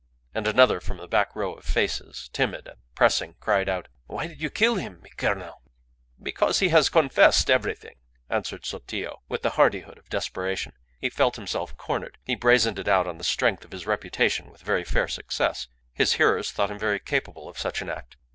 And another, from the back row of faces, timid and pressing, cried out "Why did you kill him, mi colonel?" "Because he has confessed everything," answered Sotillo, with the hardihood of desperation. He felt himself cornered. He brazened it out on the strength of his reputation with very fair success. His hearers thought him very capable of such an act.